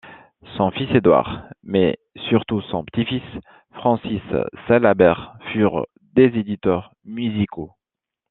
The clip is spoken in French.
Son fils, Edouard mais surtout son petit-fils, Francis Salabert, furent des éditeurs musicaux.